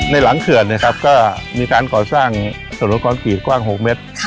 ในหลังเขื่อนก็มีการก่อสร้างสนุนกร้อนผลิตกว้าง๖เมตร